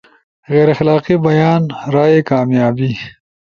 غیر اخلاقی بیان، رائے، کامیابی